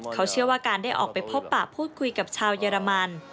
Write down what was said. เขาเชื่อว่าการได้ออกไปพบปะพูดคุยกับชาวเยอรมัน